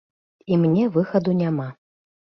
І мне выхаду няма.